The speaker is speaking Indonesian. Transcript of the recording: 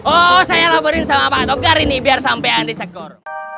oh saya laporin sama pak togar ini biar sampean disekor